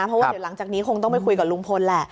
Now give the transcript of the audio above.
เพราะว่าเดี๋ยวหลังจากนี้คงต้องไปคุยกับลุงพลแหละ